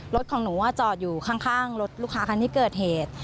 รถของหนูจอดอยู่ข้างรถลูกค้าคันที่เกิดเหตุ